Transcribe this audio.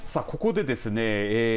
さあここでですね